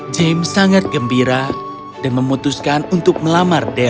james sangat gembira dan memutuskan untuk melamar delta